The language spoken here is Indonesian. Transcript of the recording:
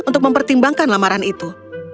untuk mempertimbangkan lamaran itu